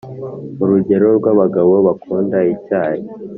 urugero rw’abagabo bakunda icyayi